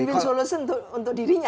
men win solusi untuk dirinya